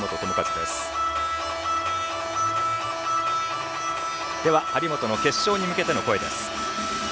では、張本の決勝に向けての声です。